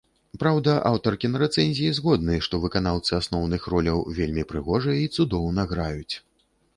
Праўда, аўтар кінарэцэнзіі згодны, што выканаўцы асноўных роляў вельмі прыгожыя і цудоўна граюць.